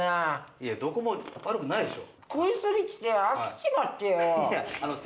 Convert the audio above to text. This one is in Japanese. いやどこも悪くないでしょ？